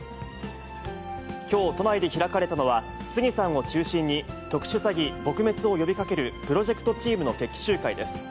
きょう、都内で開かれたのは、杉さんを中心に、特殊詐欺撲滅を呼びかけるプロジェクトチームの決起集会です。